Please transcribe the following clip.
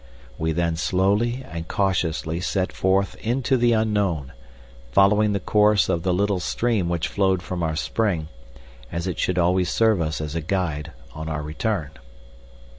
We then slowly and cautiously set forth into the unknown, following the course of the little stream which flowed from our spring, as it should always serve us as a guide on our return.